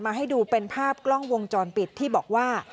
ให้ดูเป็นภาพกล้องวงจรปิดที่บอกว่า